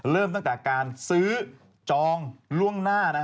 เริ่มตั้งแต่การซื้อจองล่วงหน้า